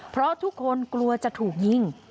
เพราะทุกคนกลัวจะถูกยิง